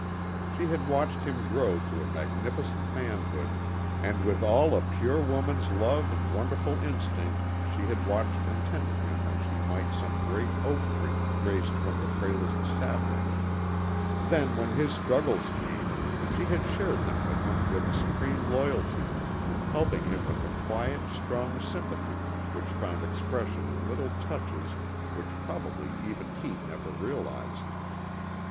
She had watched him grow to a magnificent manhood, and with all a pure woman's love and wonderful instinct she had watched and tended him as she might some great oak tree raised from the frailest sapling. Then, when his struggles came, she had shared them with him with a supreme loyalty, helping him with a quiet, strong sympathy which found expression in little touches which probably even he never realized.